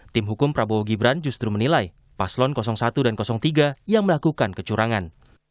tim hukum prabowo gibran justru menilai paslon satu dan tiga yang melakukan kecurangan